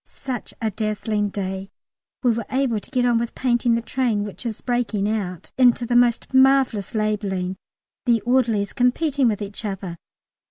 Such a dazzling day: we were able to get on with painting the train, which is breaking out into the most marvellous labelling, the orderlies competing with each other.